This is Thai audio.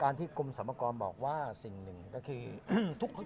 การที่กรมสัมมากรณ์บอกว่าสิ่งหนึ่งก็คือ